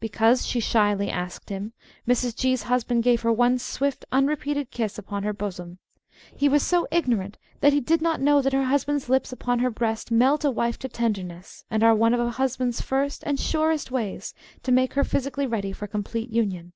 Because she shyly asked him, Mrs. G.'s husband gave her one swift unrepeated kiss upon her bosom. He was so ignorant that he did not know that her husband's lips upon her breast melt a wife to tenderness and are one of a husband's first and surest ways to make her physically ready for complete union.